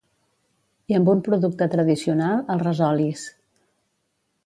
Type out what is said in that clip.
I amb un producte tradicional, el resolis